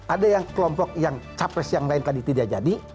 ada yang kelompok yang capres yang lain tadi tidak jadi